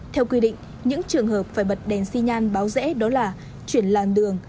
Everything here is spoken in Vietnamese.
theo quy định những trường hợp phải bật đèn xi nhan báo rễ đó là chuyển làn đường